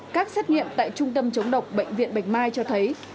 các xét nghiệm tại trung tâm chống độc bệnh viện bạch mai cho thấy